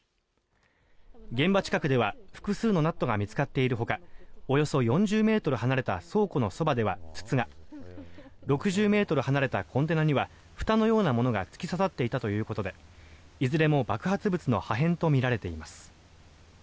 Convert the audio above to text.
現場近くでは複数のナットが見つかっているほかおよそ４０ｍ離れた倉庫のそばでは筒が６０ｍ離れたコンテナにはふたのようなものが突き刺さっていたということでいずれも爆発物の破片とみられています。